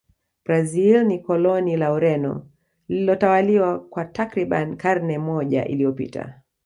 brazil ni koloni la ureno lililotawaliwa kwa takribani karne moja iliyopita